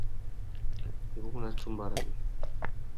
Ngu mú nà tsumba râmê.